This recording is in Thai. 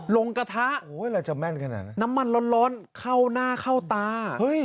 ลงกระทะน้ำมันร้อนเข้าหน้าเข้าตา